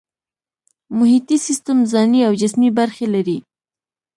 محیطي سیستم ځانی او جسمي برخې لري